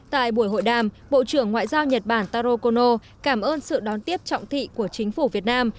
tại buổi hội đàm bộ trưởng ngoại giao nhật bản taro kono cảm ơn sự đón tiếp trọng thị của chính phủ việt nam